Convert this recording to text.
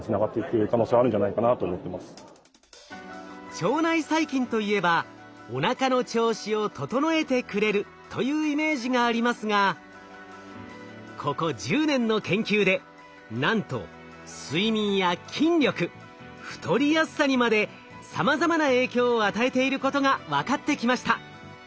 腸内細菌といえばおなかの調子を整えてくれるというイメージがありますがここ１０年の研究でなんと睡眠や筋力太りやすさにまでさまざまな影響を与えていることが分かってきました。